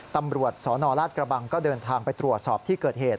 ตำรวจสนราชกระบังก็เดินทางไปตรวจสอบที่เกิดเหตุ